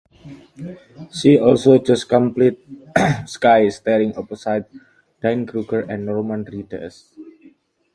She also just completed "Sky", starring opposite Diane Kruger and Norman Reedus.